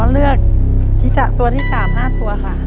อ๋อเลือกตัวที่๓๕ตัวค่ะ